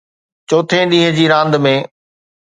چوٿين ڏينهن جي راند ۾